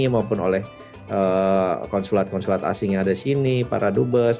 maupun oleh konsulat konsulat asing yang ada di sini para dubes